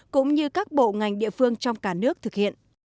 cũng như các bộ ngành địa phương trong cả nước thực hiện